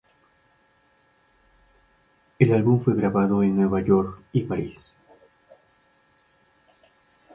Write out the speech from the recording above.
El álbum fue grabado en Nueva York y París.